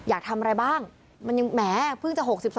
อยากทำอะไรบ้างมันยังแม้พึ่งแต่๖๒ปี